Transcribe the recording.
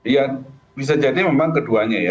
ya bisa jadi memang keduanya ya